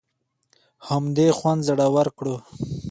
همدې خوند زړور کړو.